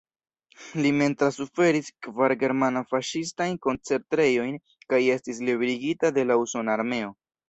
Li mem trasuferis kvar german-faŝistajn koncentrejojn kaj estis liberigita de la usona armeo.